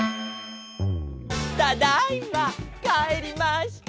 ただいまかえりました！